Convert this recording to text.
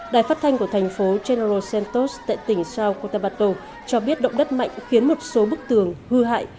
đài phát thanh của thành phố general santos tại tỉnh sao cotabato cho biết động đất mạnh khiến một số bức tường hư hại